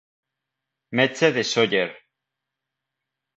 Metge de Sóller.